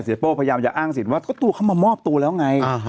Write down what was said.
เศรษฐโปพยามจะอ้างสินว่าก็ตัวเข้ามามอบตัวแล้วไงอ่าฮะ